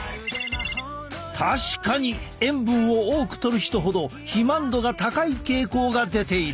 確かに塩分を多くとる人ほど肥満度が高い傾向が出ている。